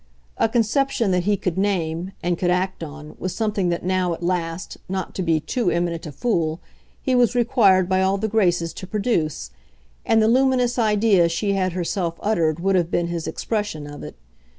A conception that he could name, and could act on, was something that now, at last, not to be too eminent a fool, he was required by all the graces to produce, and the luminous idea she had herself uttered would have been his expression of it.